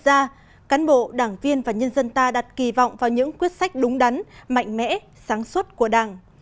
các cán bộ đảng viên và nhân dân ta đặt kỳ vọng vào những quyết sách đúng đắn mạnh mẽ sáng suốt của đảng